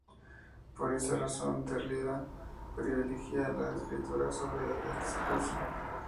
Por esa razón, Derrida privilegia la escritura sobre el discurso.